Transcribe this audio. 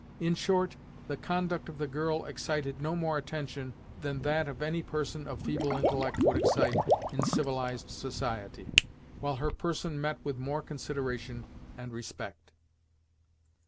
In short, the conduct of the girl excited no more attention that that of any person of feeble intellect would excite in civilized society, while her person met with more consideration and respect.